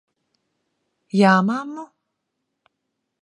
Jā, mammu?